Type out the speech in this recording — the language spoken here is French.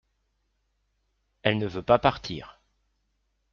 Elle ne veut pas partir.